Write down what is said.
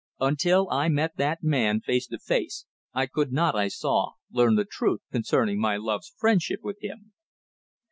Until I met that man face to face I could not, I saw, learn the truth concerning my love's friendship with him.